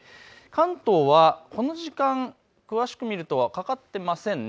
関東はこの時間、詳しく見るとかかっていませんね。